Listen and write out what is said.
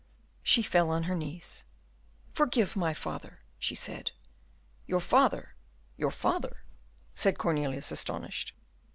She fell on her knees. "Forgive my father," she said. "Your father, your father!" said Cornelius, astonished.